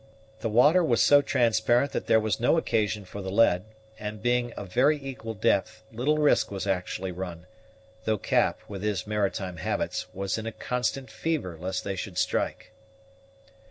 The water was so transparent that there was no occasion for the lead, and being of very equal depth, little risk was actually run, though Cap, with his maritime habits, was in a constant fever lest they should strike.